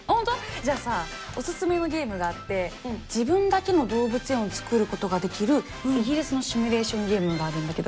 じゃあさオススメのゲームがあって自分だけの動物園を作ることができるイギリスのシミュレーションゲームがあるんだけど。